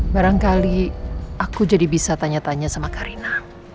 barangkali aku jadi bisa tanya tanya sama karina